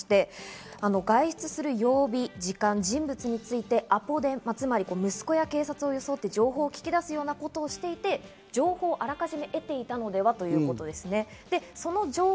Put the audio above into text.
佐々木さんもそのようにおっしゃっていて、外出する曜日、時間、人物についてアポ電、つまり警察や息子を装って、情報を聞き出すようなことをしていて、情報をあらかじめ得ていたのでは？ということですね。